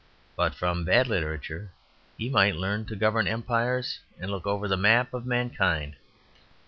But from bad literature he might learn to govern empires and look over the map of mankind.